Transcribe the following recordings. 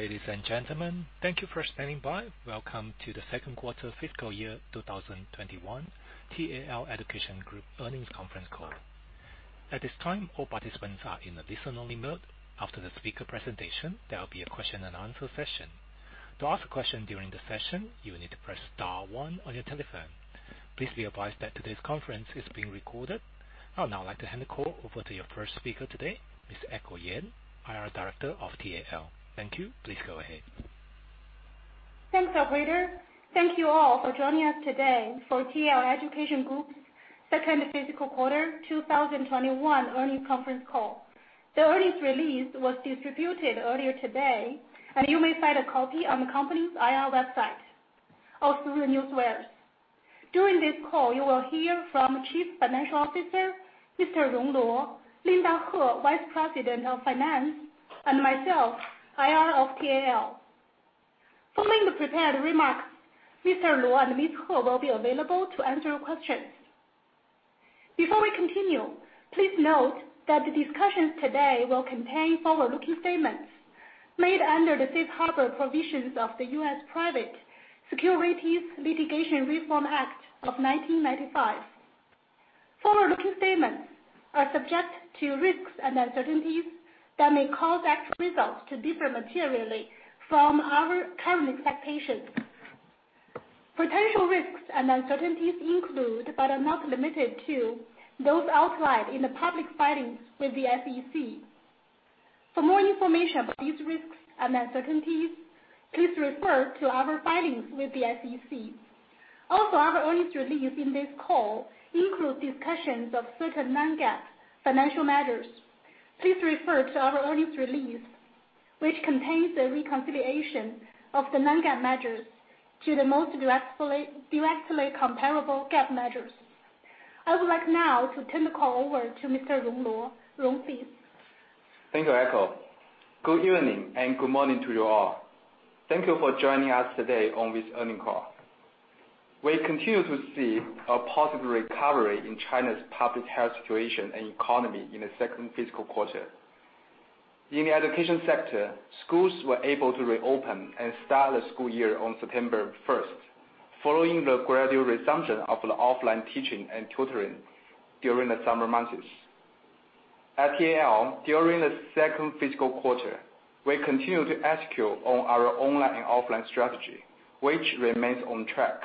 Ladies and gentlemen, thank you for standing by. Welcome to the second quarter fiscal year 2021 TAL Education Group earnings conference call. At this time, all participants are in a listen-only mode. After the speaker presentation, there will be a question and answer session. To ask a question during the session, you will need to press star one on your telephone. Please be advised that today's conference is being recorded. I would now like to hand the call over to your first speaker today, Ms. Echo Yan, IR Director of TAL. Thank you. Please go ahead. Thanks, operator. Thank you all for joining us today for TAL Education Group's second fiscal quarter 2021 earnings conference call. The earnings release was distributed earlier today. You may find a copy on the company's IR website or through the newswires. During this call, you will hear from Chief Financial Officer, Mr. Rong Luo, Linda Huo, Vice President of Finance, and myself, IR of TAL. Following the prepared remarks, Mr. Luo and Ms. Huo will be available to answer your questions. Before we continue, please note that the discussions today will contain forward-looking statements made under the Safe Harbor provisions of the US Private Securities Litigation Reform Act of 1995. Forward-looking statements are subject to risks and uncertainties that may cause actual results to differ materially from our current expectations. Potential risks and uncertainties include, but are not limited to, those outlined in the public filings with the SEC. For more information about these risks and uncertainties, please refer to our filings with the SEC. Also, our earnings release in this call includes discussions of certain non-GAAP financial measures. Please refer to our earnings release, which contains the reconciliation of the non-GAAP measures to the most directly comparable GAAP measures. I would like now to turn the call over to Mr. Rong Luo. Rong, please. Thank you, Echo. Good evening and good morning to you all. Thank you for joining us today on this earnings call. We continue to see a positive recovery in China's public health situation and economy in the second fiscal quarter. In the education sector, schools were able to reopen and start the school year on September 1st, following the gradual resumption of the offline teaching and tutoring during the summer months. At TAL, during the second fiscal quarter, we continued to execute on our online and offline strategy, which remains on track.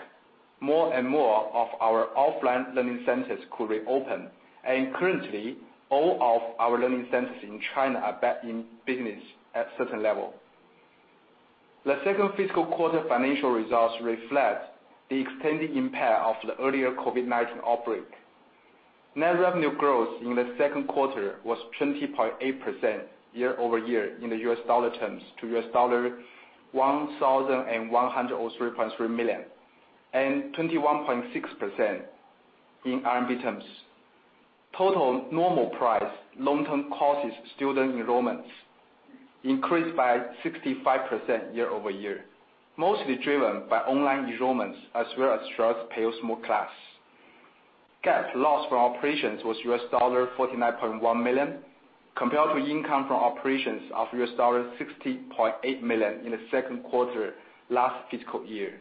More and more of our offline learning centers could reopen, and currently, all of our learning centers in China are back in business at a certain level. The second fiscal quarter financial results reflect the extended impact of the earlier COVID-19 outbreak. Net revenue growth in the second quarter was 20.8% year-over-year in U.S. dollar terms to $1,103.3 million and 21.6% in RMB terms. Total normal price long-term courses student enrollments increased by 65% year-over-year, mostly driven by online enrollments as well as Xueersi Peiyou Small Class. GAAP loss from operations was $49.1 million compared to income from operations of $60.8 million in the second quarter last fiscal year.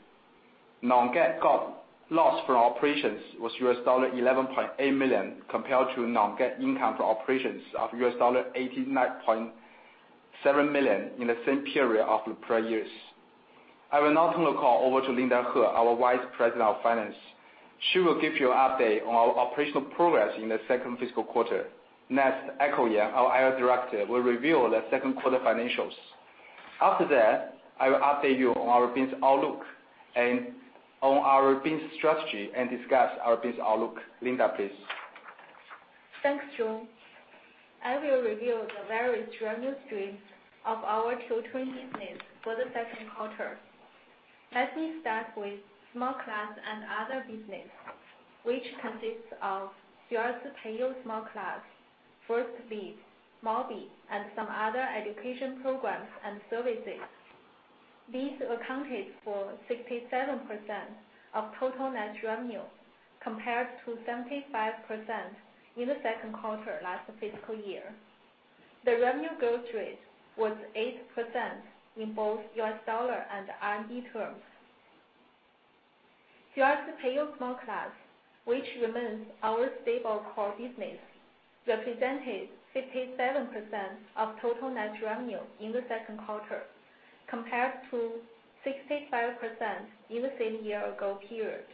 Non-GAAP loss from operations was $11.8 million compared to non-GAAP income from operations of $89.7 million in the same period of the prior years. I will now turn the call over to Linda Huo, our Vice President of Finance. She will give you an update on our operational progress in the second fiscal quarter. Next, Echo Yan, our IR Director, will reveal the second quarter financials. After that, I will update you on our business outlook and on our business strategy and discuss our business outlook. Linda, please. Thanks, Rong. I will reveal the various revenue streams of our tutoring business for the second quarter. Let me start with Small Class and Other Business, which consists of Xueersi Peiyou Small Class, Firstleap, Mobby, and some other education programs and services. These accounted for 67% of total net revenue, compared to 75% in the second quarter last fiscal year. The revenue growth rate was 8% in both USD and RMB terms. Xueersi Peiyou Small Class, which remains our stable core business, represented 57% of total net revenue in the second quarter, compared to 65% in the same year-ago period.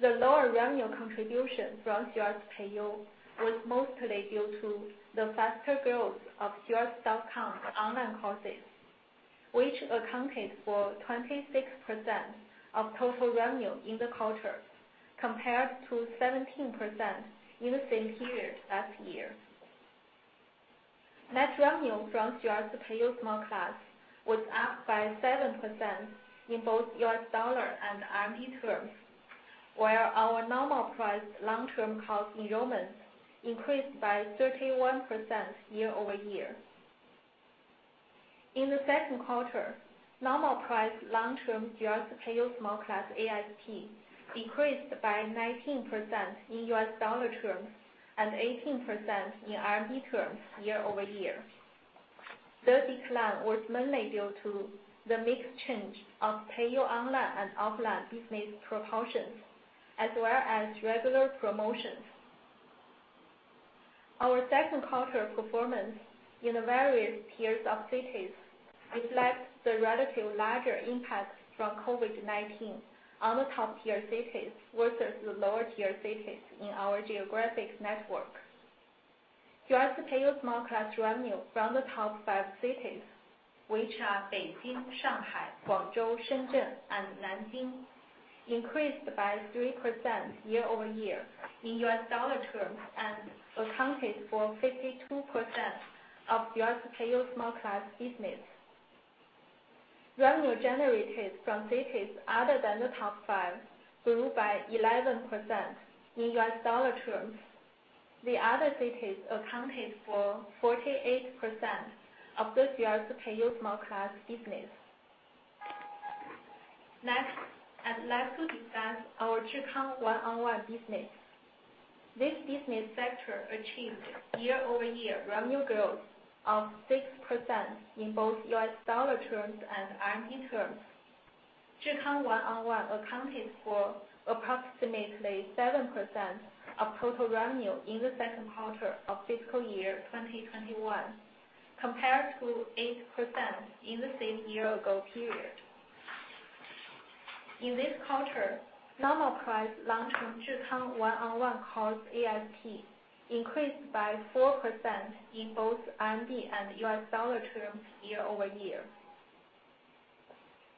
The lower revenue contribution from Xueersi Peiyou was mostly due to the faster growth of xueersi.com online courses, which accounted for 26% of total revenue in the quarter, compared to 17% in the same period last year. Net revenue from Xueersi Peiyou Small Class was up by 7% in both U.S. dollar and CNY terms, while our normal price long-term course enrollments increased by 31% year-over-year. In the second quarter, normal price long-term Xueersi Peiyou Small Class ASP decreased by 19% in U.S. dollar terms and 18% in Renminbi terms year-over-year. The decline was mainly due to the mix change of Peiyou Online and offline business proportions, as well as regular promotions. Our second quarter performance in the various tiers of cities reflects the relative larger impact from COVID-19 on the top-tier cities versus the lower-tier cities in our geographic network. Xueersi Peiyou Small Class revenue from the top five cities, which are Beijing, Shanghai, Guangzhou, Shenzhen, and Nanjing, increased by 3% year-over-year in U.S. dollar terms and accounted for 52% of Xueersi Peiyou Small Class business. Revenue generated from cities other than the top five grew by 11% in US Dollar terms. The other cities accounted for 48% of the Xueersi Peiyou Small Class business. Next, I'd like to discuss our Zhikang One-on-One business. This business sector achieved year-over-year revenue growth of 6% in both US Dollar terms and Renminbi terms. Zhikang One-on-One accounted for approximately 7% of total revenue in the second quarter of fiscal year 2021, compared to 8% in the same year ago period. In this quarter, normal price long-term Zhikang One-on-One course ASP increased by 4% in both Renminbi and US Dollar terms year-over-year.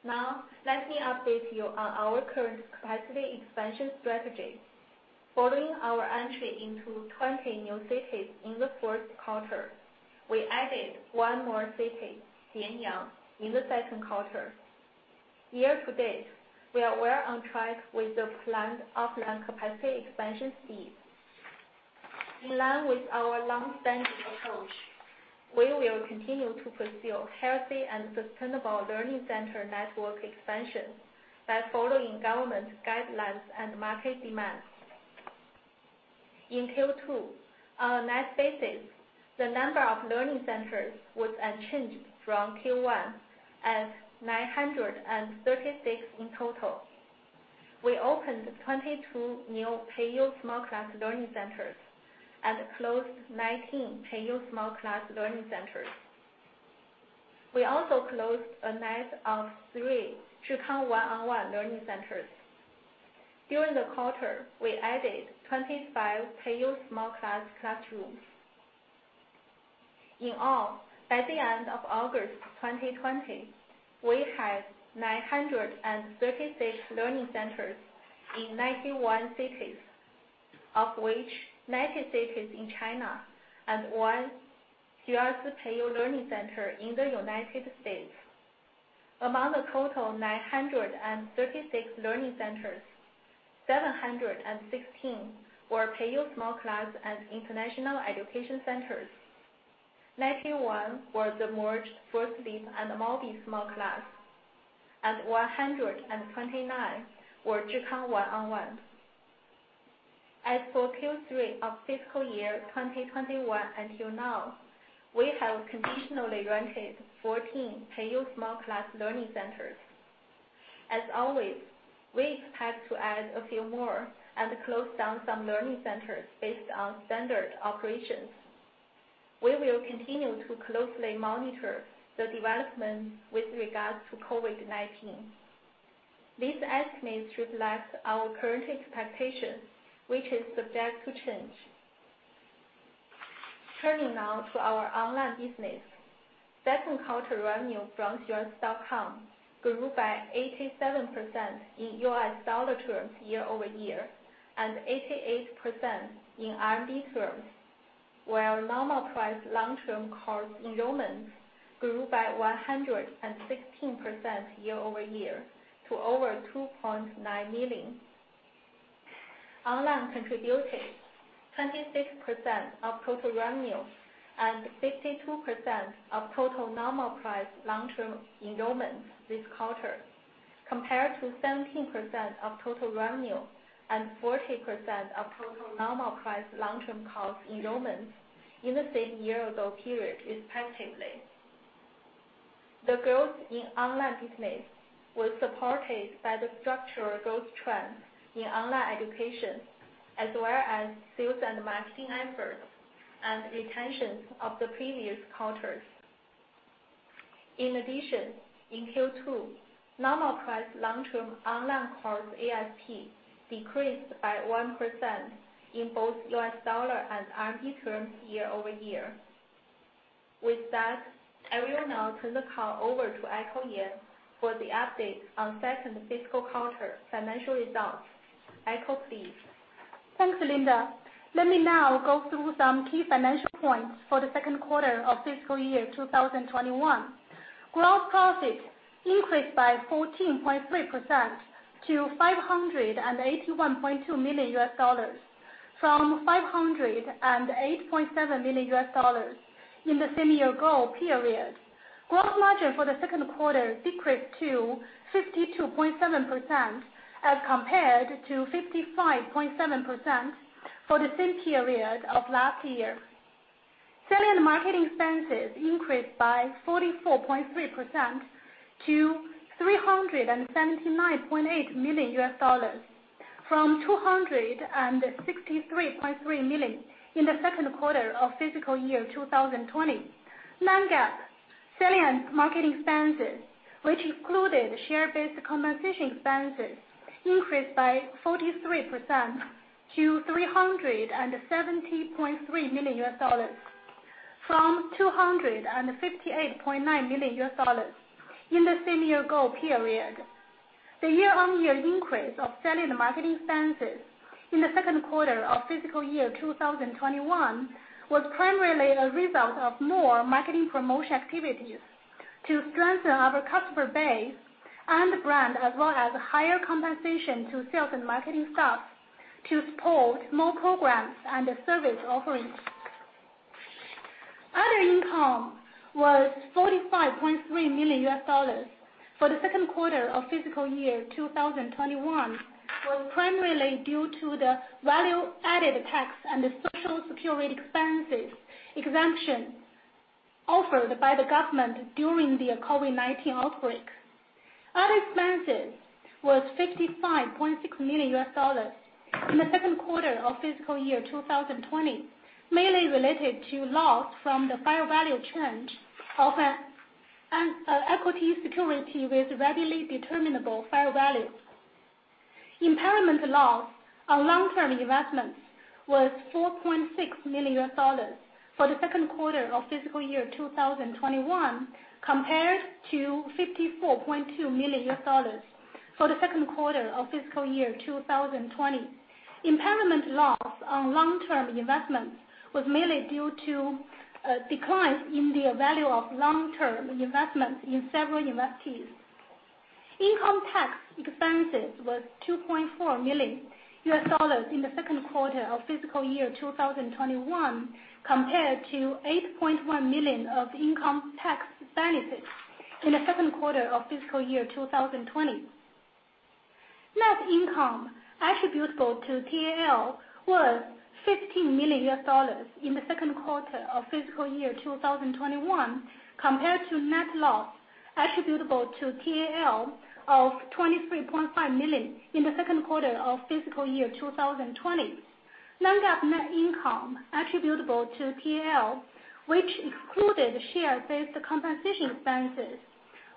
Now, let me update you on our current capacity expansion strategy. Following our entry into 20 new cities in the first quarter, we added one more city, Xianyang, in the second quarter. Year to date, we are well on track with the planned offline capacity expansion phases. In line with our long-standing approach, we will continue to pursue healthy and sustainable learning center network expansion by following government guidelines and market demands. In Q2, on a net basis, the number of learning centers was unchanged from Q1, at 936 in total. We opened 22 new Peiyou small class learning centers and closed 19 Peiyou small class learning centers. We also closed a net of three Zhikang One-on-One learning centers. During the quarter, we added 25 Peiyou small class classrooms. In all, by the end of August 2020, we had 936 learning centers in 91 cities, of which 90 cities in China and one Xueersi Peiyou learning center in the U.S. Among the total 936 learning centers, 716 were Peiyou small class and international education centers. 91 were the merged Firstleap and Mobby small class, and 129 were Zhikang One-on-One. As for Q3 of fiscal year 2021 until now, we have conditionally rented 14 Peiyou small class learning centers. As always, we expect to add a few more and close down some learning centers based on standard operations. We will continue to closely monitor the developments with regards to COVID-19. These estimates reflect our current expectations, which is subject to change. Turning now to our online business. Second quarter revenue from xueersi.com grew by 87% in US Dollar terms year-over-year and 88% in Renminbi terms, where normal price long-term course enrollments grew by 116% year-over-year to over $2.9 million. Online contributed 26% of total revenue and 52% of total normal price long-term enrollments this quarter, compared to 17% of total revenue and 40% of total normal price long-term course enrollments in the same year-ago period, respectively. The growth in online business was supported by the structural growth trend in online education as well as sales and marketing efforts and retention of the previous quarters. In Q2, normal price long-term online course ASP decreased by 1% in both US dollar and Renminbi terms year-over-year. With that, I will now turn the call over to Echo Yan for the update on second fiscal quarter financial results. Echo, please. Thanks, Linda. Let me now go through some key financial points for the second quarter of fiscal year 2021. Gross profit increased by 14.3% to $581.2 million from $508.7 million in the same year-ago period. Gross margin for the second quarter decreased to 52.7%, as compared to 55.7% for the same period of last year. Selling and marketing expenses increased by 44.3% to $379.8 million from $263.3 million in the second quarter of fiscal year 2020. Non-GAAP selling and marketing expenses, which included share-based compensation expenses, increased by 43% to $370.3 million from $258.9 million in the same year-ago period. The year-on-year increase of selling and marketing expenses in the second quarter of fiscal year 2021 was primarily a result of more marketing promotion activities to strengthen our customer base and brand, as well as higher compensation to sales and marketing staff to support more programs and service offerings. Other income was $45.3 million for the second quarter of fiscal year 2021, was primarily due to the value-added tax and the Social Security expenses exemption offered by the government during the COVID-19 outbreak. Other expenses was $55.6 million in the second quarter of fiscal year 2020, mainly related to loss from the fair value change of an equity security with readily determinable fair value. Impairment loss on long-term investments was $4.6 million for the second quarter of fiscal year 2021, compared to $54.2 million for the second quarter of fiscal year 2020. Impairment loss on long-term investments was mainly due to a decline in the value of long-term investments in several investees. Income tax expenses was $2.4 million in the second quarter of fiscal year 2021, compared to $8.1 million of income tax benefits in the second quarter of fiscal year 2020. Net income attributable to TAL was $15 million in the second quarter of fiscal year 2021, compared to net loss attributable to TAL of $23.5 million in the second quarter of fiscal year 2020. Non-GAAP net income attributable to TAL, which excluded share-based compensation expenses,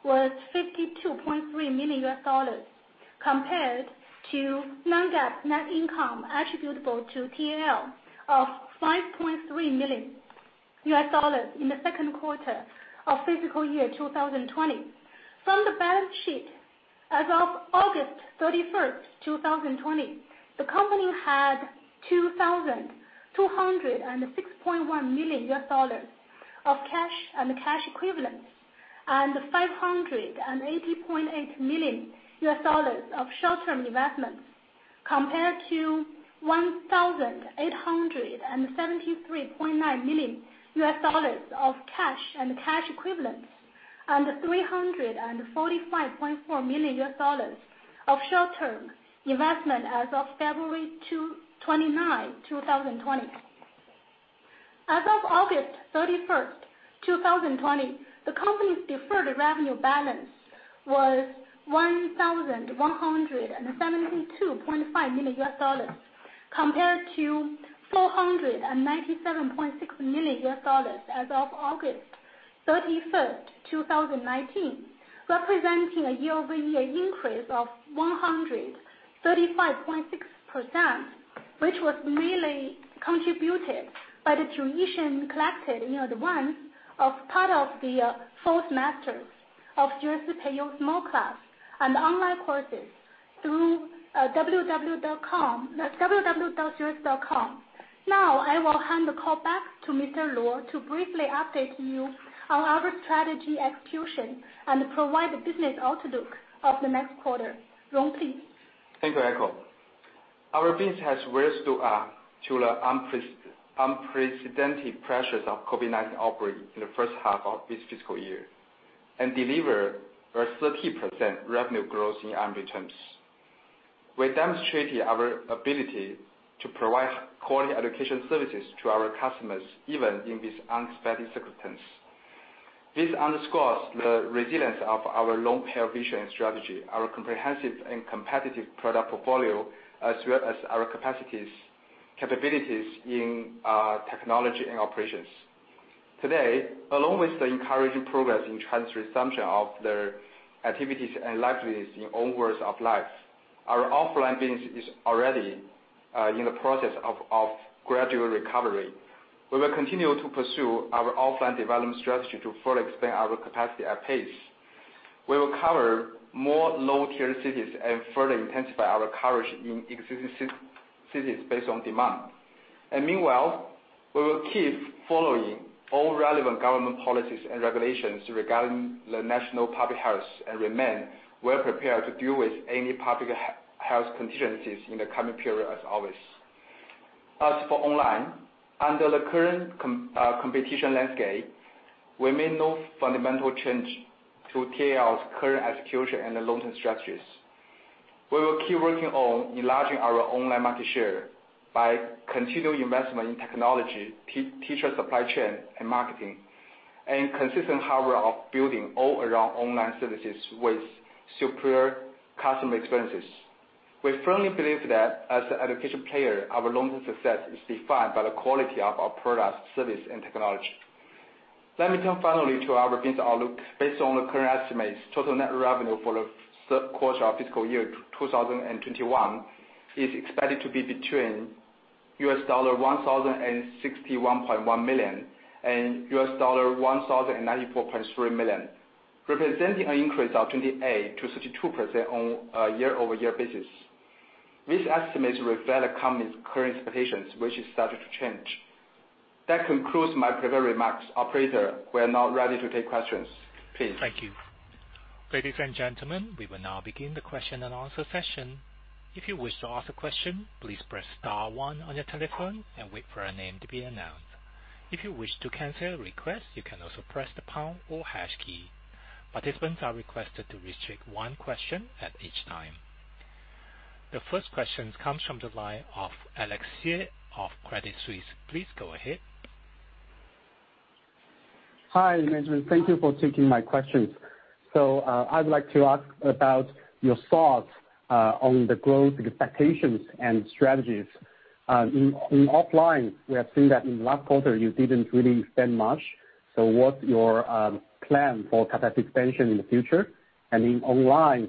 was $52.3 million compared to non-GAAP net income attributable to TAL of $5.3 million in the second quarter of fiscal year 2020. From the balance sheet, as of August 31st, 2020, the company had $2,206.1 million of cash and cash equivalents, and $580.8 million of short-term investments, compared to $1,873.9 million of cash and cash equivalents and $345.4 million of short-term investment as of February 29, 2020. As of August 31st, 2020, the company's deferred revenue balance was $1,172.5 million compared to $497.6 million as of August 31st, 2019, representing a year-over-year increase of 135.6%, which was mainly contributed by the tuition collected near the onset of part of the fall semester of Xueersi Peiyou Small Class and online courses through xueersi.com. Now, I will hand the call back to Mr. Luo to briefly update you on our strategy execution and provide the business outlook of the next quarter. Rong, please. Thank you, Echo. Our business has withstood the unprecedented pressures of COVID-19 outbreak in the first half of this fiscal year and delivered a 30% revenue growth in Renminbi terms. We demonstrated our ability to provide quality education services to our customers, even in this unexpected circumstance. This underscores the resilience of our long-term vision and strategy, our comprehensive and competitive product portfolio, as well as our capacities, capabilities in technology and operations. Today, along with the encouraging progress in China's resumption of their activities and liveliness in all walks of life, our offline business is already in the process of gradual recovery. We will continue to pursue our offline development strategy to further expand our capacity at pace. We will cover more low-tier cities and further intensify our coverage in existing cities based on demand. Meanwhile, we will keep following all relevant government policies and regulations regarding the national public health, and remain well prepared to deal with any public health contingencies in the coming period as always. As for online, under the current competition landscape, we made no fundamental change to TAL's current execution and the long-term strategies. We will keep working on enlarging our online market share by continued investment in technology, teacher supply chain and marketing, and consistent hard work of building all-around online services with superior customer experiences. We firmly believe that as an education player, our long-term success is defined by the quality of our products, service, and technology. Let me turn finally to our business outlook. Based on the current estimates, total net revenue for the third quarter of fiscal year 2021 is expected to be between $1,061.1 million and $1,094.3 million, representing an increase of 28%-32% on a year-over-year basis. These estimates reflect the company's current expectations, which is subject to change. That concludes my prepared remarks. Operator, we are now ready to take questions. Please. Thank you. Ladies and gentlemen, we will now begin the question and answer session. If you wish to ask a question, please press star one on your telephone and wait for your name to be announced. If you wish to cancel a request, you can also press the pound or hash key. Participants are requested to restrict one question at each time. The first question comes from the line of Alex Xie of Credit Suisse. Please go ahead. Hi, management. Thank you for taking my questions. I'd like to ask about your thoughts on the growth expectations and strategies. In offline, we have seen that in last quarter you didn't really spend much, what's your plan for capacity expansion in the future? In online,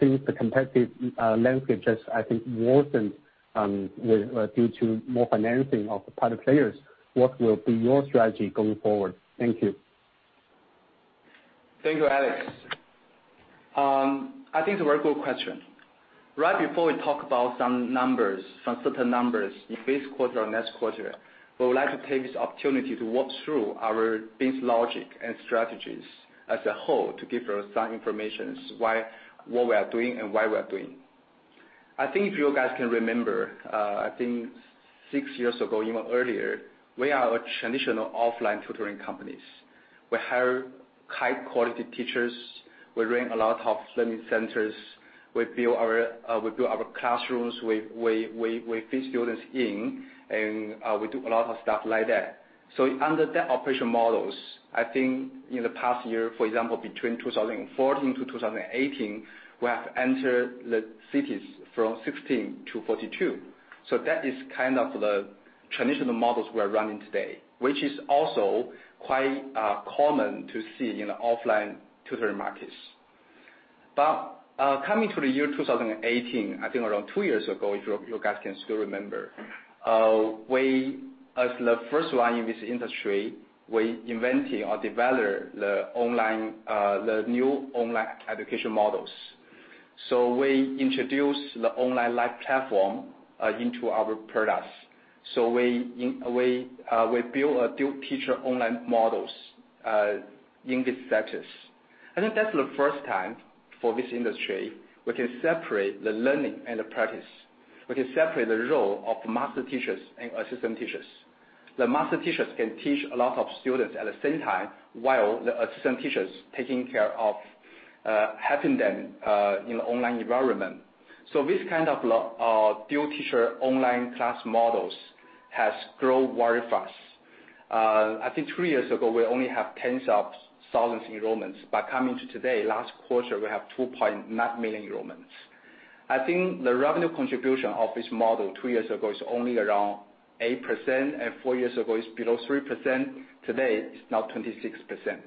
since the competitive landscape has, I think, worsened due to more financing of the private players, what will be your strategy going forward? Thank you. Thank you, Alex. I think it's a very good question. Right before we talk about some certain numbers in this quarter or next quarter, we would like to take this opportunity to walk through our business logic and strategies as a whole to give you some information, what we are doing and why we are doing. If you guys can remember, six years ago, even earlier, we are a traditional offline tutoring company. We hire high-quality teachers, we rent a lot of learning centers, we build our classrooms, we fit students in, we do a lot of stuff like that. Under that operation models, in the past year, for example, between 2014 to 2018, we have entered the cities from 16 to 42. That is kind of the traditional models we are running today, which is also quite common to see in the offline tutoring markets. Coming to the year 2018, I think around two years ago, if you guys can still remember, we, as the first one in this industry, we invented or developed the new online education models. We introduced the online live platform into our products. We built dual-teacher online models in this status. I think that's the first time for this industry we can separate the learning and the practice. We can separate the role of master teachers and assistant teachers. The master teachers can teach a lot of students at the same time, while the assistant teacher is taking care of helping them in the online environment. This kind of dual-teacher online class models has grown very fast. Three years ago, we only have tens of thousands enrollments, coming to today, last quarter, we have 2.9 million enrollments. I think the revenue contribution of this model two years ago is only around 8%, four years ago is below 3%. Today, it's now 26%.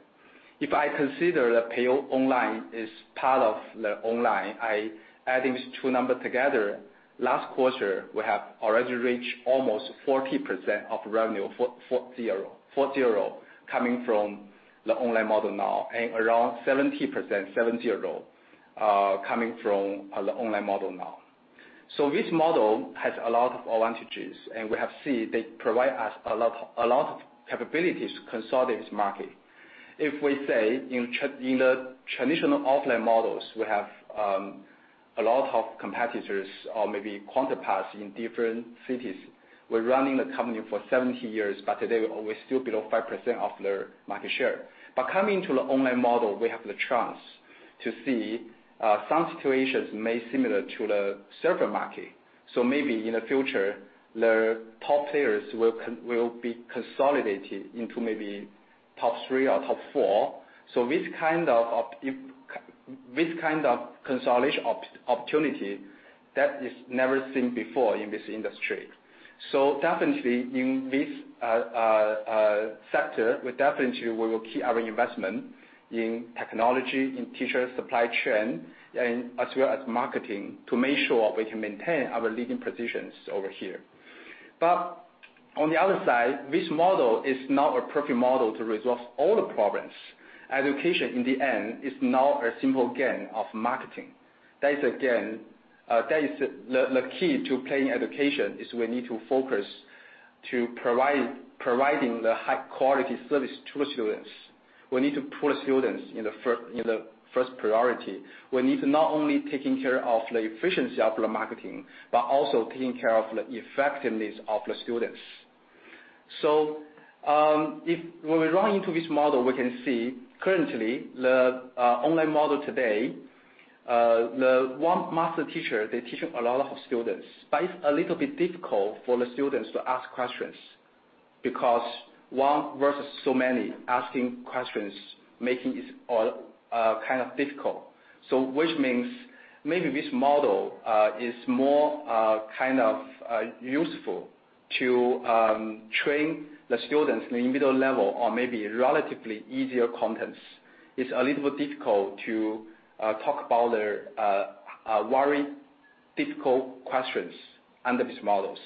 If I consider the Peiyou Online is part of the online, I adding these two numbers together, last quarter we have already reached almost 40% of revenue, four zero, coming from the online model now, and around 70%, seven zero, coming from the online model now. This model has a lot of advantages, and we have seen they provide us a lot of capabilities to consolidate this market. If we say in the traditional offline models, we have a lot of competitors or maybe counterparts in different cities. We're running the company for 17 years, but today we're still below 5% of their market share. Coming to the online model, we have the chance to see some situations may similar to the server market. Maybe in the future, the top players will be consolidated into maybe top three or top four. This kind of consolidation opportunity, that is never seen before in this industry. Definitely in this sector, we definitely will keep our investment in technology, in teacher supply chain, and as well as marketing, to make sure we can maintain our leading positions over here. On the other side, this model is not a perfect model to resolve all the problems. Education, in the end, is not a simple game of marketing. That is again, the key to playing education is we need to focus on providing high-quality service to the students. We need to put students in the first priority. We need to not only take care of the efficiency of the marketing, but also take care of the effectiveness of the students. If we run into this model, we can see currently the online model today, the one master teacher, they're teaching a lot of students, but it's a little bit difficult for the students to ask questions, because one versus so many asking questions, making it kind of difficult. Which means maybe this model is more useful to train the students in the intermediate level or maybe relatively easier contents. It's a little difficult to talk about their very difficult questions under these models.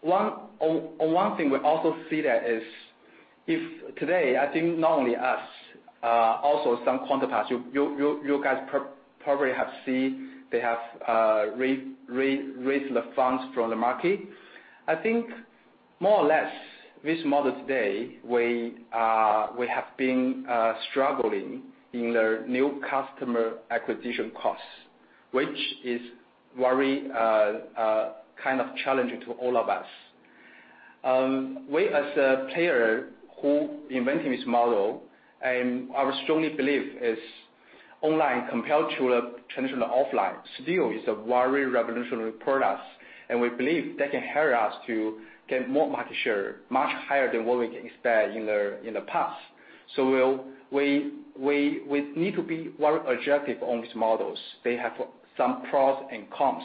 One thing we also see that is, if today, I think not only us, also some counterparts, you guys probably have seen, they have raised the funds from the market. I think more or less this model today, we have been struggling in the new customer acquisition costs, which is very challenging to all of us. We, as a player who invented this model, and I strongly believe is online compared to the traditional offline, still is a very revolutionary product, and we believe that can help us to get more market share, much higher than what we can expect in the past. We need to be very objective on these models. They have some pros and cons.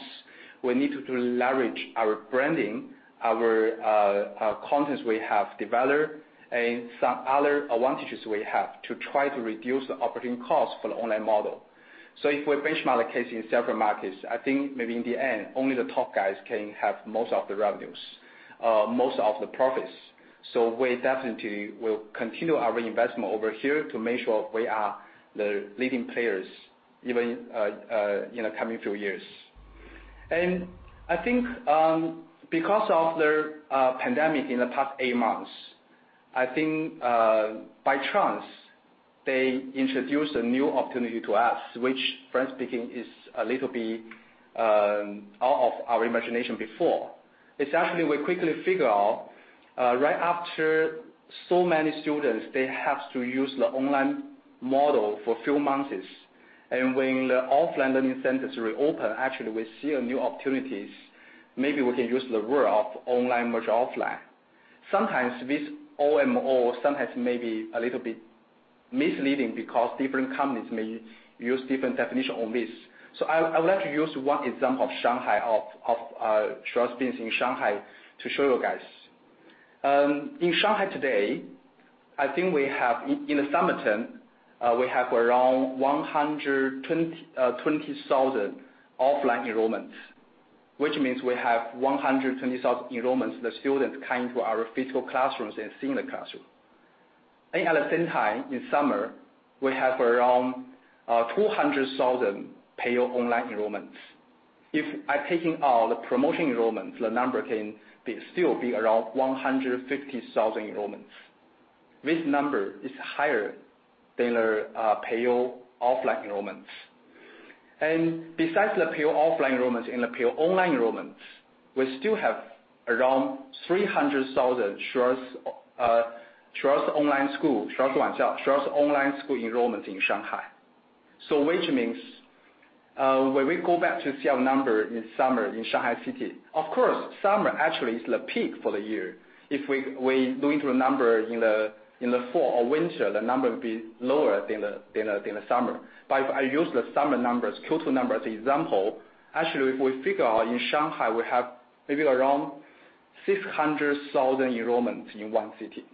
We need to leverage our branding, our contents we have developed, and some other advantages we have to try to reduce the operating costs for the online model. If we benchmark the case in several markets, I think maybe in the end, only the top guys can have most of the revenues, most of the profits. We definitely will continue our investment over here to make sure we are the leading players even in the coming few years. I think, because of the pandemic in the past eight months, I think, by chance, they introduced a new opportunity to us, which frankly speaking is a little bit out of our imagination before. It's actually, we quickly figure out, right after so many students, they have to use the online model for few months. When the offline learning centers reopen, actually, we see new opportunities. Maybe we can use the word of online merge offline. Sometimes this OMO sometimes may be a little bit misleading because different companies may use different definition on this. I would like to use one example of Shanghai of Xueersi business in Shanghai to show you guys. In Shanghai today, I think we have, in the summer term, we have around 120,000 offline enrollments, which means we have 120,000 enrollments, the students coming to our physical classrooms and seeing the classroom. At the same time, in summer, we have around 200,000 paid online enrollments. If I taking out the promotion enrollments, the number can still be around 150,000 enrollments. This number is higher than the paid offline enrollments. Besides the paid offline enrollments and the paid online enrollments, we still have around 300,000 Xueersi Online School enrollments in Shanghai. Which means, when we go back to see our number in summer in Shanghai City, of course, summer actually is the peak for the year. If we go into the number in the fall or winter, the number will be lower than the summer. I use the summer numbers, Q2 numbers, as example. Actually, if we figure out in Shanghai, we have maybe around 600,000 enrollments in one city.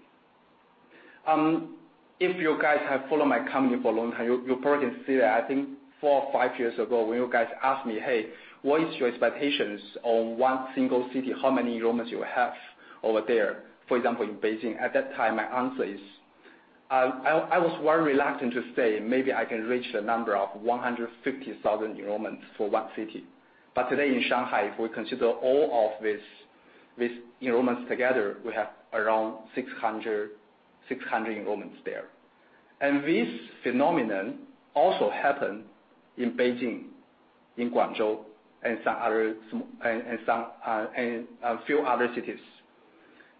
If you guys have followed my company for a long time, you probably can see that, I think four or five years ago, when you guys asked me, 'Hey, what is your expectations on one single city? How many enrollments you have over there?' For example, in Beijing, at that time, my answer is, I was very reluctant to say maybe I can reach the number of 150,000 enrollments for one city. Today in Shanghai, if we consider all of these enrollments together, we have around 600 enrollments there. This phenomenon also happened in Beijing, in Guangzhou, and a few other cities.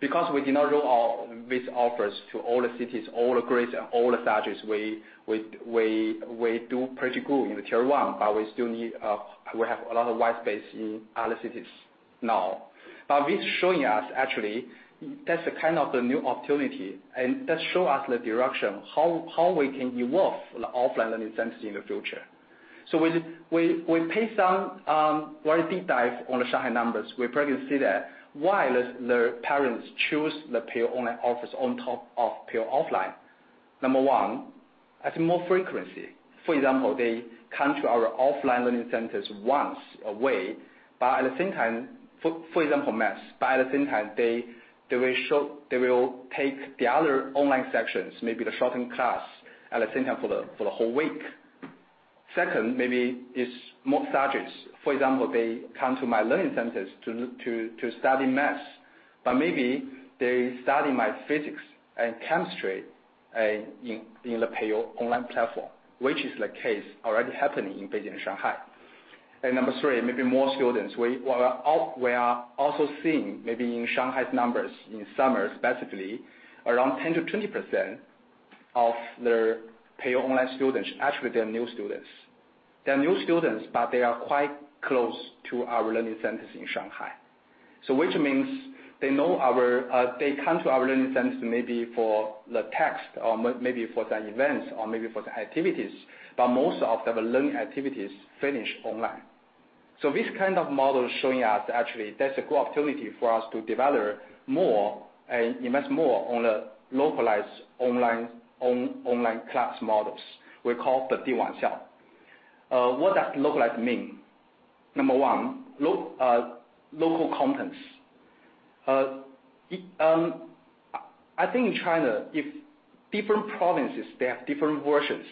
Because we did not roll out these offers to all the cities, all the grades and all the subjects, we do pretty good in the tier 1, we have a lot of white space in other cities now. This showing us actually, that is the kind of the new opportunity, and that shows us the direction, how we can evolve the offline learning center in the future. We pay some very deep dive on the Shanghai numbers. We probably see that why the parents choose the Peiyou Online on top of paid offline. Number one, I think more frequency. For example, they come to our offline learning centers once a week, but at the same time, for example, math, but at the same time, they will take the other online sessions, maybe the shortened class, at the same time for the whole week. Second, maybe it is more subjects. For example, they come to my learning centers to study math, but maybe they study my physics and chemistry in the Peiyou Online platform, which is the case already happening in Beijing and Shanghai. Number three, maybe more students. We are also seeing, maybe in Shanghai's numbers, in summer especially, around 10%-20% of their Peiyou Online students, actually, they're new students. They're new students, but they are quite close to our learning centers in Shanghai. Which means they come to our learning centers maybe for the test, or maybe for the events, or maybe for the activities, but most of the learning activities finish online. This kind of model is showing us actually, that's a good opportunity for us to develop more and invest more on the localized online class models. What does localized mean? Number one, local contents. I think in China, different provinces, they have different versions.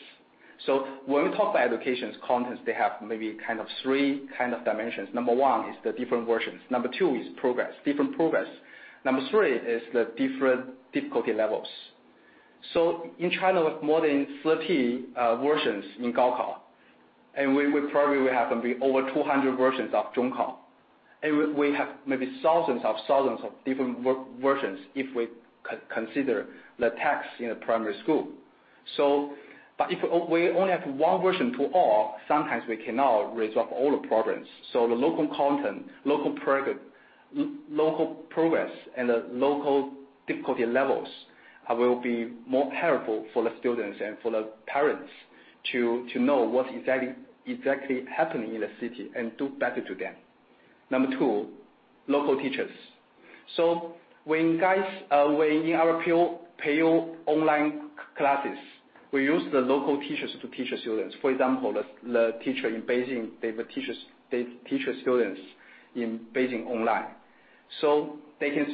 When we talk about education's contents, they have maybe three kind of dimensions. Number one is the different versions. Number two is progress, different progress. Number three is the different difficulty levels. In China, more than 30 versions in Gaokao, and we probably will have over 200 versions of Zhongkao. We have maybe thousands of thousands of different versions if we consider the tests in a primary school. If we only have one version to all, sometimes we cannot resolve all the problems. The local content, local progress, and the local difficulty levels will be more helpful for the students and for the parents to know what exactly happening in the city and do better to them. Number two, local teachers. When guys are waiting in our Peiyou Online classes, we use the local teachers to teach the students. For example, the teacher in Beijing, they teach the students in Beijing online. They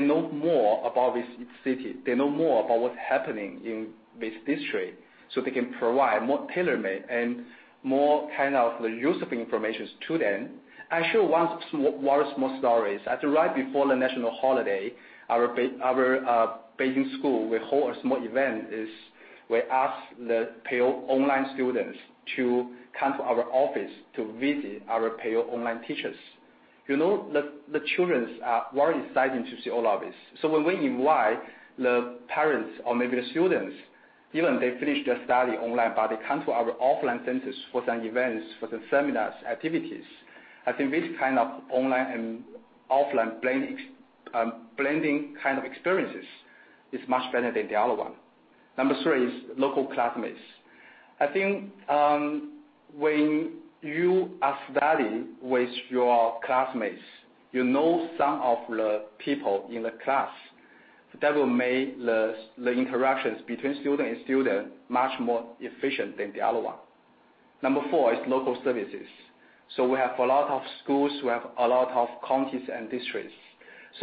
know more about this city. They know more about what's happening in this district, so they can provide more tailor-made and more kind of useful information to them. I share one small story. Right before the national holiday, our Beijing school will hold a small event, is we ask the Peiyou Online students to come to our office to visit our Peiyou Online teachers. The children are very excited to see all of this. When we invite the parents or maybe the students, even they finish their study online, but they come to our offline centers for some events, for the seminars, activities. I think this kind of online and offline blending kind of experiences is much better than the other one. Number three is local classmates. I think when you are studying with your classmates, you know some of the people in the class. That will make the interactions between student and student much more efficient than the other one. Number four is local services. We have a lot of schools, we have a lot of counties and districts.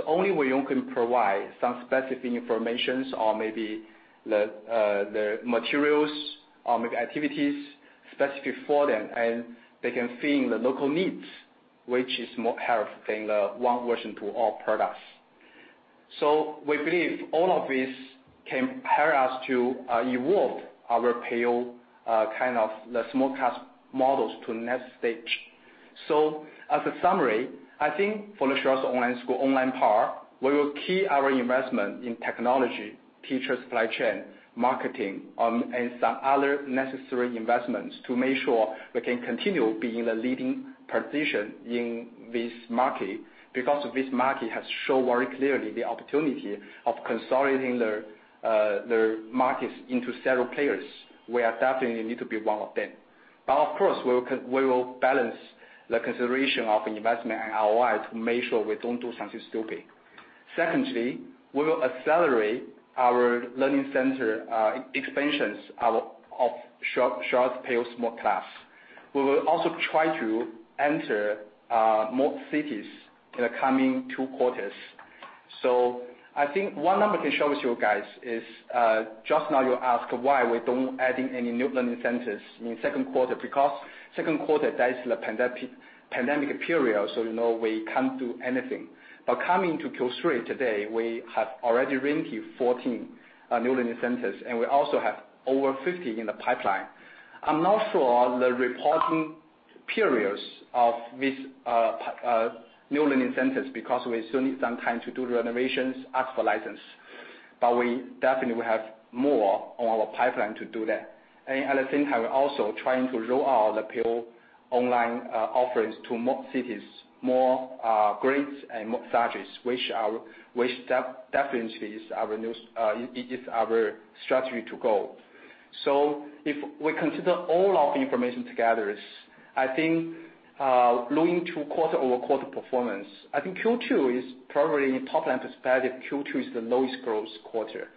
Only we can provide some specific information or maybe the materials or maybe activities specific for them, and they can fill in the local needs, which is more helpful than the one version to all products. We believe all of this can help us to evolve our Peiyou kind of the small class models to next stage. As a summary, I think for the Xueersi Online School online part, we will keep our investment in technology, teacher supply chain, marketing, and some other necessary investments to make sure we can continue being the leading position in this market, because this market has shown very clearly the opportunity of consolidating their markets into several players. We definitely need to be one of them. Of course, we will balance the consideration of investment and ROI to make sure we don't do something stupid. Secondly, we will accelerate our learning center expansions of Xueersi Peiyou Small Class. We will also try to enter more cities in the coming two quarters. I think one number can show you guys is, just now you ask why we don't adding any new learning centers in second quarter, because second quarter, that is the pandemic period, so we can't do anything. Coming to Q3 today, we have already rented 14 new learning centers, and we also have over 50 in the pipeline. I'm not sure the reporting periods of these new learning centers, because we still need some time to do renovations, ask for license. We definitely will have more on our pipeline to do that. At the same time, we're also trying to roll out the Peiyou online offerings to more cities, more grades, and more subjects, which definitely is our strategy to go. If we consider all of the information together, I think looking to quarter-over-quarter performance, I think Q2 is probably top line perspective, Q2 is the lowest growth quarter.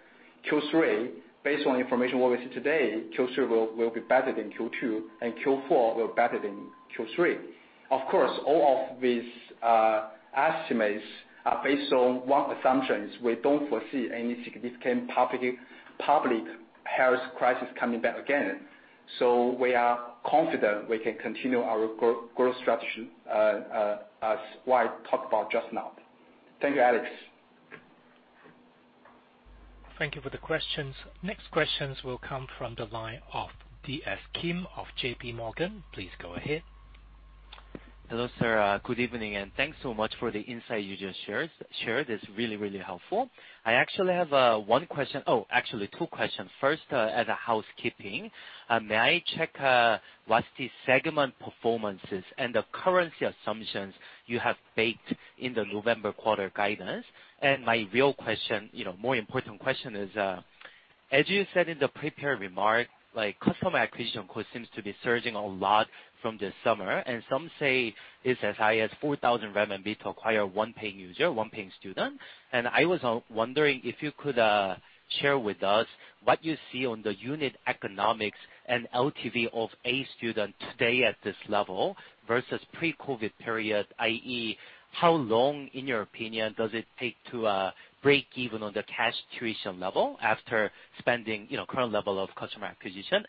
Q3, based on information what we see today, Q3 will be better than Q2. Q4 were better than Q3. Of course, all of these estimates are based on one assumption, is we don't foresee any significant public health crisis coming back again. We are confident we can continue our growth structure, as I talked about just now. Thank you, Alex. Thank you for the questions. Next questions will come from the line of DS Kim of JPMorgan. Please go ahead. Hello, sir. Good evening, and thanks so much for the insight you just shared. It's really helpful. I actually have one question. Oh, actually two questions. First, as a housekeeping, may I check what's the segment performances and the currency assumptions you have baked in the November quarter guidance? My real question, more important question is, as you said in the prepared remarks, customer acquisition cost seems to be surging a lot from this summer, and some say it's as high as 4,000 RMB to acquire one paying user, one paying student. I was wondering if you could share with us what you see on the unit economics and LTV of a student today at this level versus pre-COVID-19 period, i.e., how long, in your opinion, does it take to break even on the cash tuition level after spending current level of customer acquisition?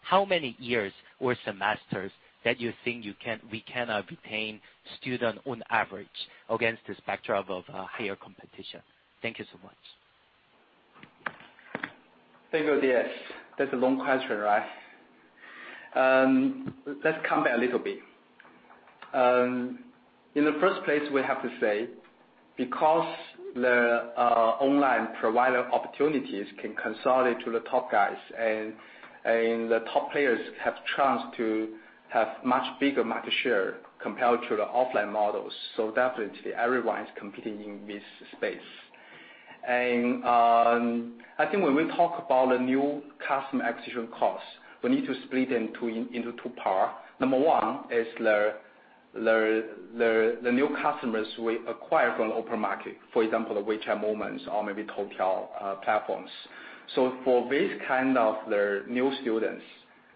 How many years or semesters that you think we can retain student on average against the spectrum of higher competition? Thank you so much. Thank you, DS. That's a long question, right? Let's come back a little bit. In the first place, we have to say, because the online provider opportunities can consolidate to the top guys, and the top players have chance to have much bigger market share compared to the offline models. Definitely everyone is competing in this space. I think when we talk about the new customer acquisition costs, we need to split them into two parts. Number one is the new customers we acquire from the open market, for example, the WeChat Moments or maybe Toutiao platforms. For this kind of the new students,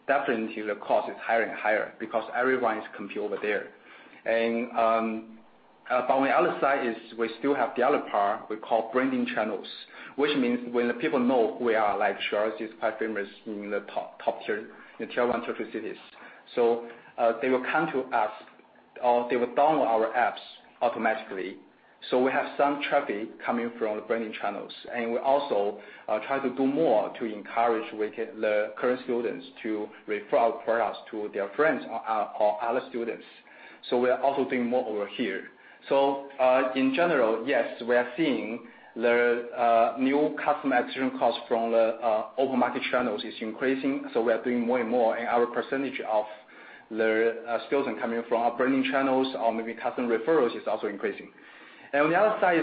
definitely the cost is higher and higher because everyone is competing over there. On the other side is we still have the other part we call branding channels, which means when the people know who we are, like Xueersi is quite famous in the top tier, the tier 1 cities. They will come to us or they will download our apps automatically. We have some traffic coming from the branding channels, and we also try to do more to encourage the current students to refer our products to their friends or other students. We are also doing more over here. In general, yes, we are seeing the new customer acquisition cost from the open market channels is increasing, so we are doing more and more, and our percentage of the students coming from our branding channels or maybe customer referrals is also increasing. On the other side,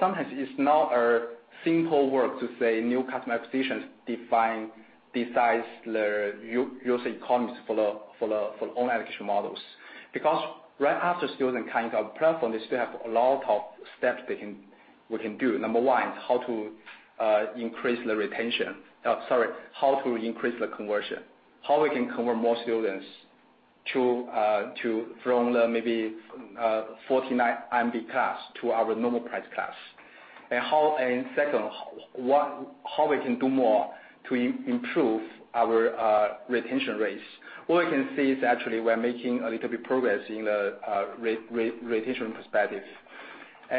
sometimes it's not a simple work to say new customer acquisitions decides the user economies for all education models. Right after students sign up platform, they still have a lot of steps we can do. Number one, how to increase the retention. Sorry, how to increase the conversion. How we can convert more students from the maybe Renminbi 49 class to our normal price class. Second, how we can do more to improve our retention rates. What we can see is actually we're making a little bit progress in the retention perspective.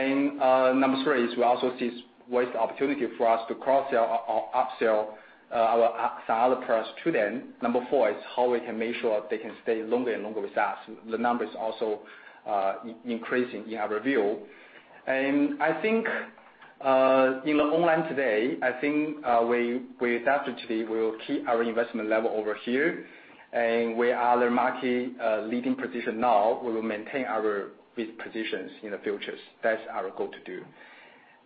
Number three is we also see with the opportunity for us to cross-sell or up-sell some other products to them. Number four is how we can make sure they can stay longer and longer with us. The numbers also increasing in our review. I think in the online today, we will keep our investment level over here, and we are the market leading position now. We will maintain these positions in the futures. That's our goal to do.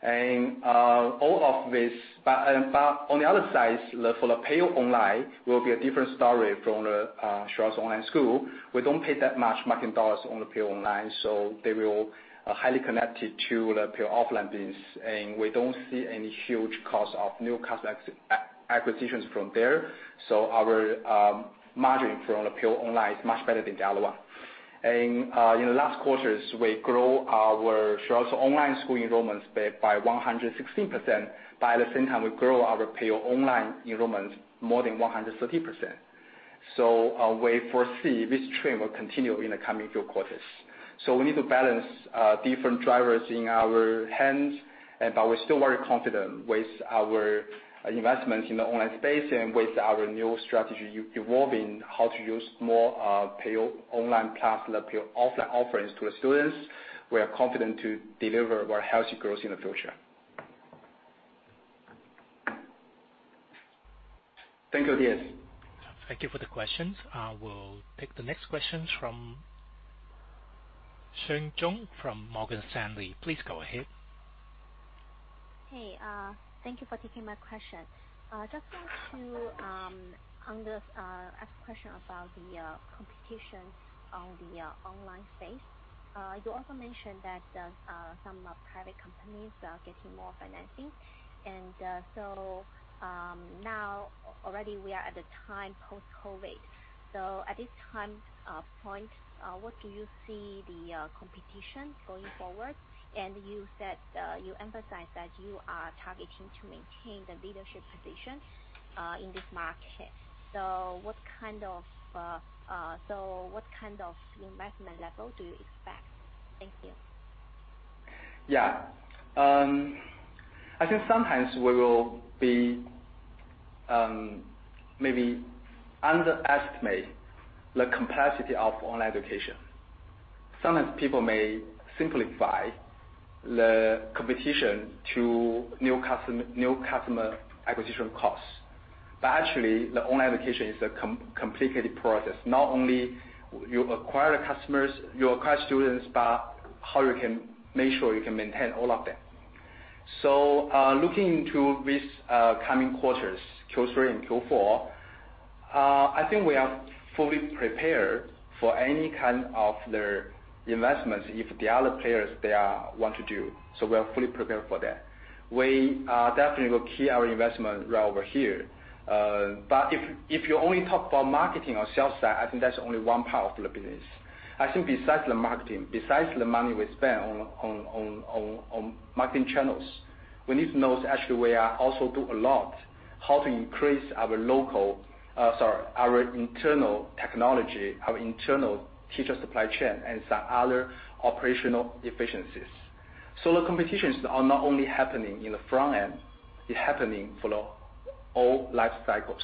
All of this, on the other side, for the Peiyou Online will be a different story from the Xueersi Online School. We don't pay that much marketing dollars on the Peiyou Online, so they will highly connected to the Peiyou offline business, and we don't see any huge cost of new customer acquisitions from there. Our margin from the Peiyou Online is much better than the other one. In the last quarters, we grow our Xueersi Online School enrollments by 116%. By the same time, we grow our Peiyou Online enrollments more than 130%. We foresee this trend will continue in the coming few quarters. We need to balance different drivers in our hands, but we're still very confident with our investment in the online space and with our new strategy evolving how to use more Peiyou Online plus the Peiyou Xianxia offerings to the students. We are confident to deliver our healthy growth in the future. Thank you, DS. Thank you for the questions. I will take the next questions from Sheng Zhong from Morgan Stanley. Please go ahead. Hey, thank you for taking my question. Just want to ask a question about the competition on the online space. You also mentioned that some private companies are getting more financing. Now already we are at the time post-COVID-19. At this time point, what do you see the competition going forward? You emphasized that you are targeting to maintain the leadership position in this market. What kind of investment level do you expect? Thank you. Yeah. I think sometimes we will maybe underestimate the complexity of online education. Sometimes people may simplify the competition to new customer acquisition costs. Actually, the online education is a complicated process. Not only you acquire the customers, you acquire students, but how you can make sure you can maintain all of them. Looking into these coming quarters, Q3 and Q4, I think we are fully prepared for any kind of the investments, if the other players there want to do so. We are fully prepared for that. We definitely will keep our investment right over here. If you only talk about marketing or sales side, I think that's only one part of the business. I think besides the marketing, besides the money we spend on marketing channels, we need to know is actually we are also do a lot how to increase our local, sorry, our internal technology, our internal teacher supply chain and some other operational efficiencies. The competitions are not only happening in the front end, it happening for the all life cycles.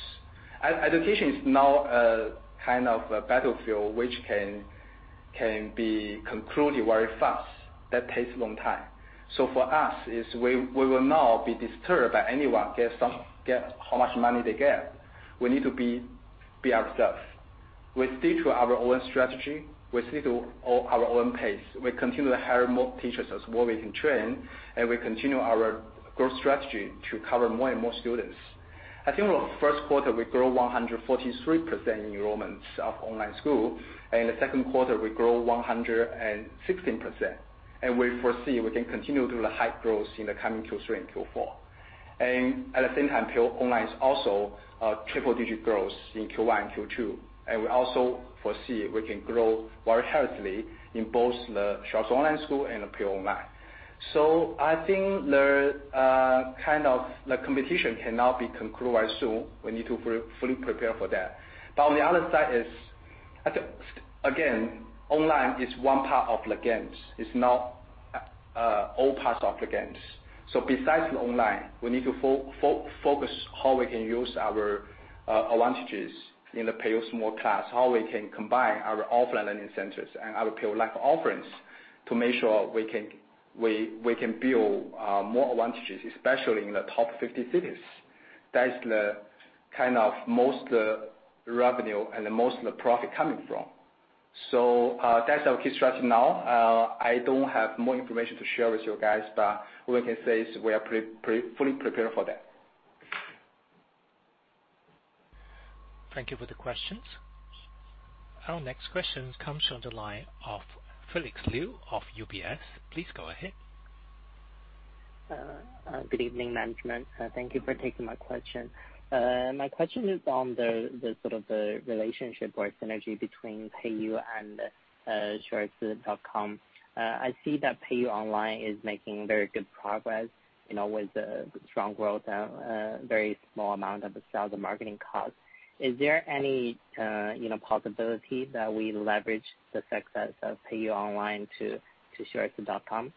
Education is now a kind of a battlefield which can be concluded very fast. That takes a long time. For us, we will not be disturbed by anyone how much money they get. We need to be ourselves. We stick to our own strategy. We stick to our own pace. We continue to hire more teachers as well we can train, and we continue our growth strategy to cover more and more students. I think the first quarter, we grow 143% in enrollments of Xueersi Online School. In the second quarter, we grow 116%, and we foresee we can continue to the high growth in the coming Q3 and Q4. At the same time, Peiyou Online is also a triple-digit growth in Q1 and Q2. We also foresee we can grow very healthily in both the Xueersi Online School and the Peiyou Online. I think the competition cannot be concluded soon. We need to fully prepare for that. On the other side is, again, online is one part of the games. It's not all parts of the games. Besides the online, we need to focus how we can use our advantages in the Peiyou Small Class, how we can combine our offline learning centers and our Peiyou Live offerings to make sure we can build more advantages, especially in the top 50 cities. That's the kind of most revenue and the most of the profit coming from. That's our key strategy now. I don't have more information to share with you guys, but what we can say is we are fully prepared for that. Thank you for the questions. Our next question comes on the line of Felix Liu of UBS. Please go ahead. Good evening, management. Thank you for taking my question. My question is on the sort of the relationship or synergy between Peiyou and the xueersi.com. I see that Peiyou Online is making very good progress, with the strong growth and very small amount of the sales and marketing cost. Is there any possibility that we leverage the success of Peiyou Online to xueersi.com?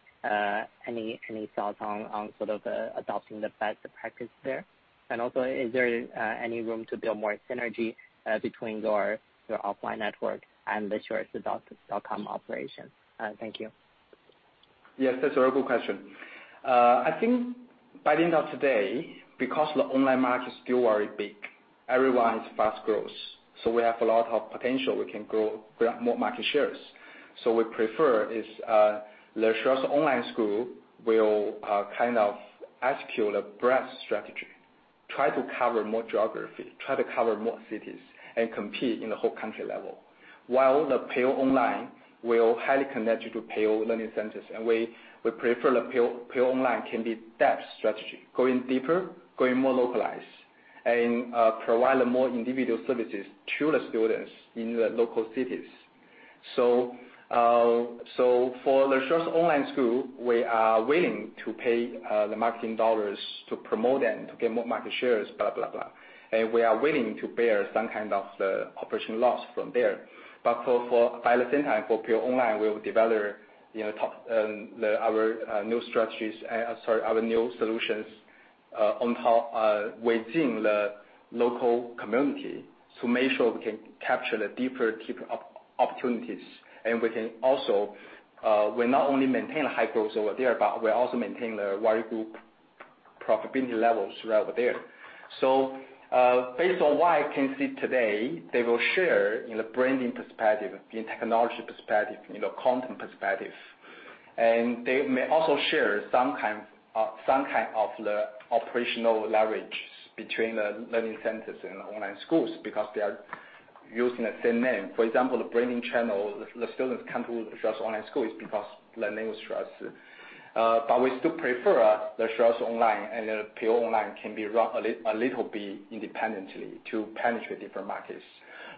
Any thoughts on sort of adopting the best practice there? Is there any room to build more synergy between your offline network and the xueersi.com operation? Thank you. Yes, that's a very good question. I think by the end of today, because the online market is still very big, everyone is fast growth. We have a lot of potential. We can grow more market shares. We prefer is the Xueersi Online School will kind of execute a breadth strategy, try to cover more geography, try to cover more cities, and compete in the whole country level. While the Peiyou Online will highly connect you to Peiyou learning centers, and we prefer the Peiyou Online can be depth strategy, going deeper, going more localized, and provide more individual services to the students in the local cities. For the Xueersi Online School, we are willing to pay the marketing dollars to promote and to get more market shares, blah, blah. We are willing to bear some kind of the operational loss from there. At the same time, for Peiyou Online, we will develop our new strategies, sorry, our new solutions within the local community to make sure we can capture the deeper opportunities. We not only maintain high growth over there, but we also maintain the very good profitability levels right over there. Based on what I can see today, they will share in the branding perspective, in technology perspective, in the content perspective. They may also share some kind of the operational leverage between the learning centers and the online schools because they are using the same name. For example, the branding channel, the students come to the Xueersi Online School is because learning with Xueersi. We still prefer the Xueersi Online and the Peiyou Online can be run a little bit independently to penetrate different markets.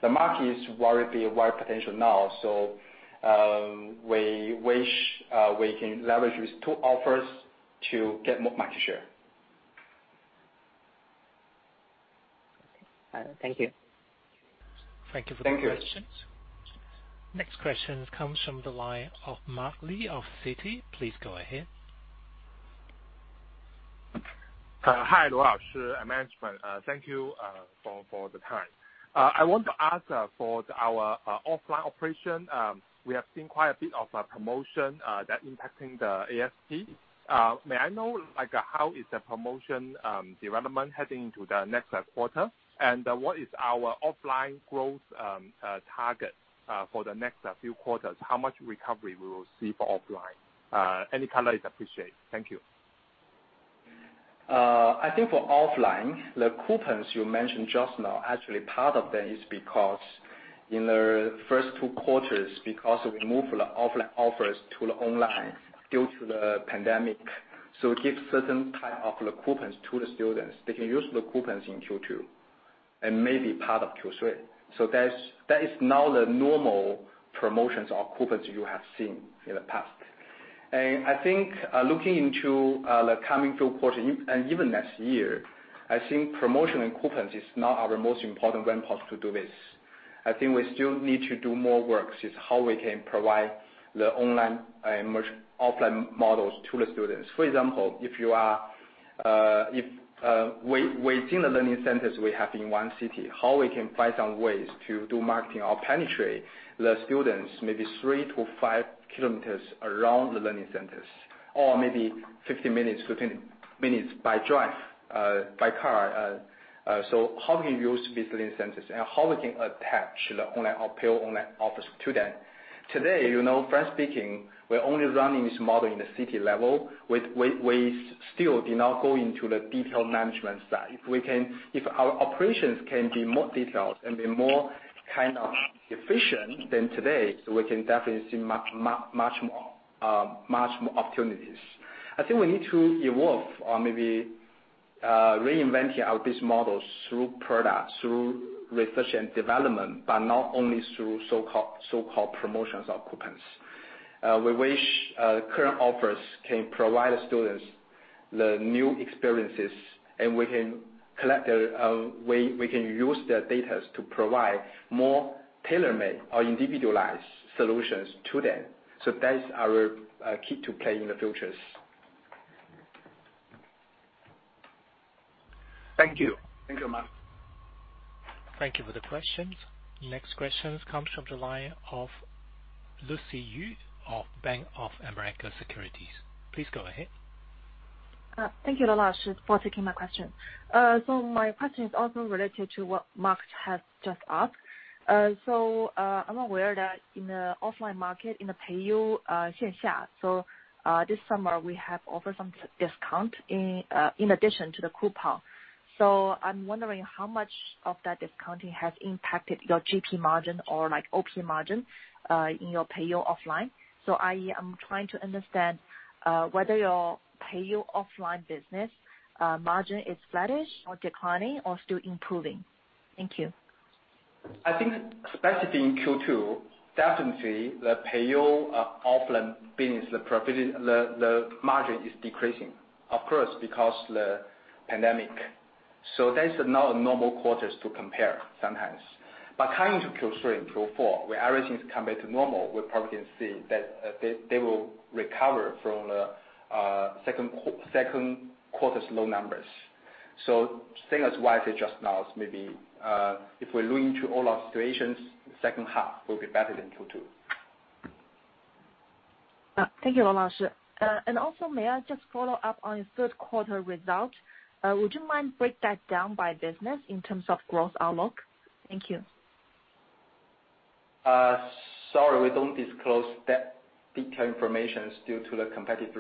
The market has very wide potential now, so we wish we can leverage these two offers to get more market share. Okay. Thank you. Thank you for the questions. Next question comes from the line of Mark Li of Citi. Please go ahead. Hi, management. Thank you for the time. I want to ask for our offline operation. We have seen quite a bit of promotion that impacting the ASP. May I know how is the promotion development heading to the next quarter, and what is our offline growth target for the next few quarters? How much recovery we will see for offline? Any color is appreciated. Thank you. I think for offline, the coupons you mentioned just now, actually part of that is because in the first two quarters, because we moved the offline offers to the online due to the pandemic. We give certain type of coupons to the students. They can use the coupons in Q2 and maybe part of Q3. That is now the normal promotions or coupons you have seen in the past. I think looking into the coming two quarter and even next year, I think promotion and coupons is not our most important rampart to do this. I think we still need to do more work. It's how we can provide the online and merge offline models to the students. For example, within the learning centers we have in one city, how we can find some ways to do marketing or penetrate the students, maybe three to five kilometers around the learning centers, or maybe 15 minutes, 15 minutes by drive, by car. How we can use these learning centers, and how we can attach the online or Peiyou Online offers to them. Today, frankly speaking, we're only running this model in the city level. We still did not go into the detailed management side. If our operations can be more detailed and be more kind of efficient than today, we can definitely see much more opportunities. I think we need to evolve or maybe reinventing out these models through products, through research and development, but not only through so-called promotions or coupons. We wish current offers can provide students the new experiences, and we can use their data to provide more tailor-made or individualized solutions to them. That's our key to play in the future. Thank you. Thank you, Mark. Thank you for the questions. Next question comes from the line of Lucy Yu of Bank of America Securities. Please go ahead. Thank you,, for taking my question. My question is also related to what Mark has just asked. I'm aware that in the offline market, in the Peiyou Xianxia, so this summer we have offered some discount in addition to the coupon. I'm wondering how much of that discounting has impacted your GP margin or OP margin in your Peiyou offline. I am trying to understand whether your Peiyou offline business margin is flattish or declining or still improving. Thank you. I think especially in Q2, definitely the Peiyou offline business, the margin is decreasing, of course, because the pandemic. That is not a normal quarter to compare sometimes. Coming to Q3 and Q4, where everything is coming to normal, we probably can see that they will recover from the second quarter's low numbers. Same as what I said just now, maybe if we look into all our situations, the second half will be better than Q2. Thank you, Also, may I just follow up on your third quarter result? Would you mind break that down by business in terms of growth outlook? Thank you. Sorry, we don't disclose that detailed information due to the competitive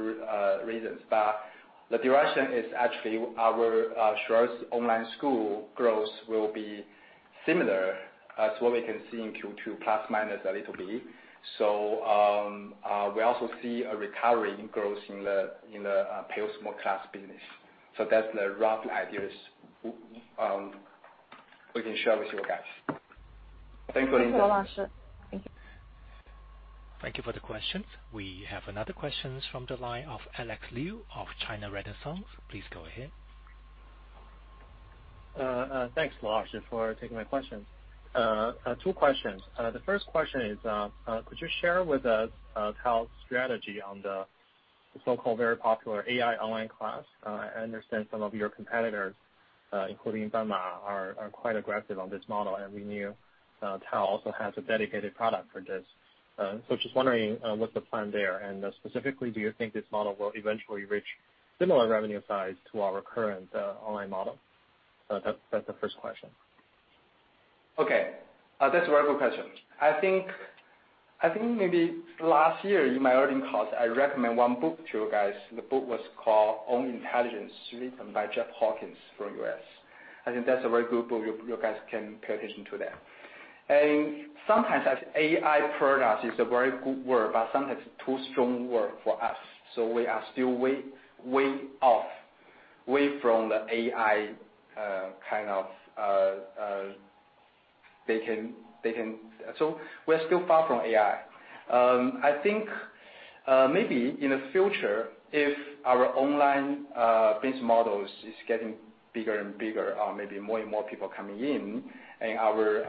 reasons. The direction is actually our Xueersi Online School growth will be similar as what we can see in Q2, plus minus a little bit. We also see a recovery in growth in the Peiyou Small Class business. That's the rough ideas we can share with you guys. Thank you. Thank you. Thank you. Thank you for the questions. We have another question from the line of Alex Liu of China Renaissance. Please go ahead. Thanks,, for taking my question. Two questions. The first question is could you share with us TAL's strategy on the so-called very popular AI online class? I understand some of your competitors, including Banma, are quite aggressive on this model, and we knew TAL also has a dedicated product for this. Just wondering what's the plan there, and specifically, do you think this model will eventually reach similar revenue size to our current online model? That's the first question. Okay. That's a very good question. I think maybe last year in my earning calls, I recommend one book to you guys. The book was called "On Intelligence," written by Jeff Hawkins from U.S. I think that's a very good book, you guys can pay attention to that. Sometimes AI products is a very good word, but sometimes too strong word for us. We are still way off from the AI. We're still far from AI. I think maybe in the future, if our online business models is getting bigger and bigger or maybe more and more people coming in, and our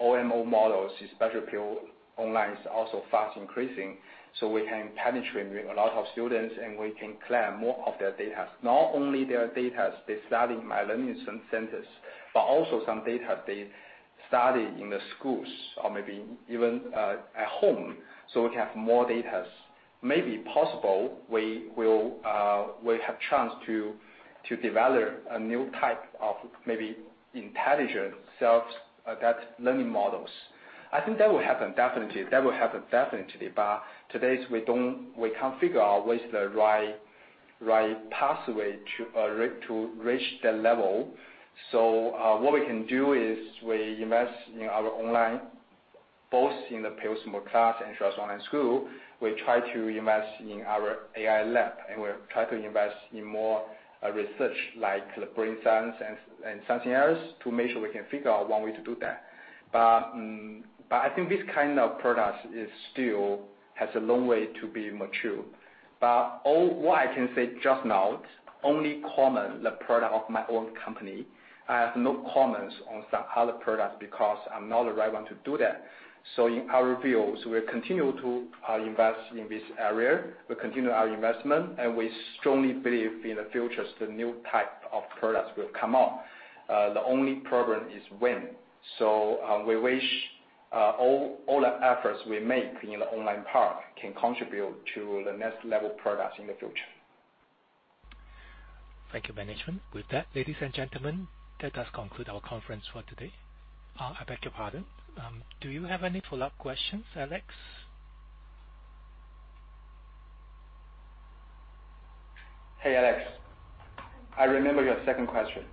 OMO models, especially pure online is also fast increasing, so we can penetrate a lot of students and we can collect more of their datas. Not only their data, they study my learning centers, but also some data they study in the schools or maybe even at home. We can have more data. Maybe possible, we will have chance to develop a new type of maybe intelligent self-adapt learning models. I think that will happen definitely, today we can't figure out what's the right pathway to reach that level. What we can do is we invest in our online, both in the Peiyou Small Class and Xueersi Online School. We try to invest in our AI lab, we try to invest in more research like the brain science and something else to make sure we can figure out one way to do that. I think this kind of product still has a long way to be mature. All what I can say just now, it's only comment the product of my own company. I have no comments on some other products because I'm not the right one to do that. In our views, we'll continue to invest in this area, we'll continue our investment, and we strongly believe in the future, the new type of products will come out. The only problem is when. We wish all the efforts we make in the online part can contribute to the next level products in the future. Thank you, management. With that, ladies and gentlemen, that does conclude our conference for today. I beg your pardon. Do you have any follow-up questions, Alex? Hey, Alex. I remember your second question.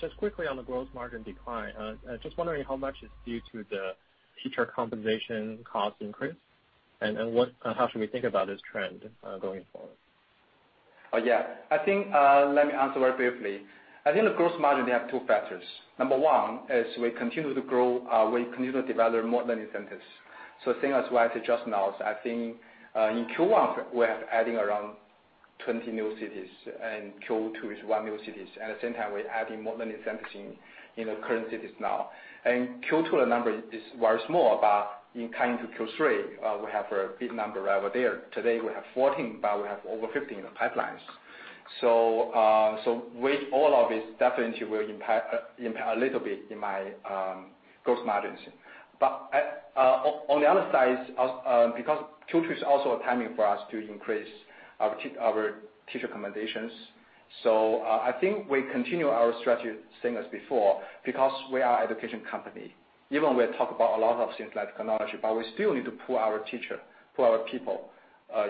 Just quickly on the gross margin decline. Just wondering how much is due to the teacher compensation cost increase, and how should we think about this trend going forward? Yeah. Let me answer very briefly. I think the gross margin, we have two factors. Number one is we continue to grow, we continue to develop more learning centers. Same as what I said just now, I think, in Q1, we are adding around 20 new cities, Q2 is one new cities. At the same time, we're adding more learning centers in the current cities now. Q2, the number is very small, in coming to Q3, we have a big number over there. Today we have 14, we have over 15 in the pipelines. With all of this, definitely will impact a little bit in my gross margins. On the other side, because Q2 is also a timing for us to increase our teacher accommodations. I think we continue our strategy same as before because we are education company. We talk about a lot of synthetic technology, we still need to pool our teacher, pool our people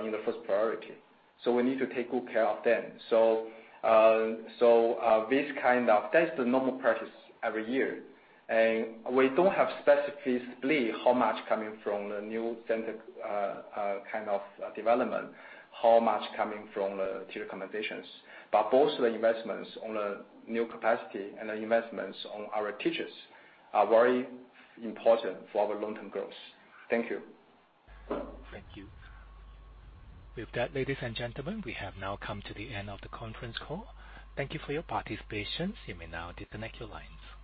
in the first priority. We need to take good care of them. That's the normal practice every year. We don't have specifically how much coming from the new center kind of development, how much coming from the teacher accommodations. Both the investments on the new capacity and the investments on our teachers are very important for our long-term growth. Thank you. Thank you. With that, ladies and gentlemen, we have now come to the end of the conference call. Thank you for your participation. You may now disconnect your lines.